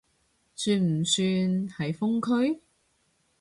算唔算係封區？